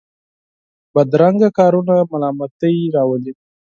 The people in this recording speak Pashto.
بدرنګه کارونه ملامتۍ راولي